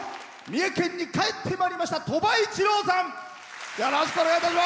三重県に帰ってまいりました鳥羽一郎さん。